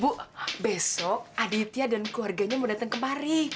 bu besok aditya dan keluarganya mau datang kemari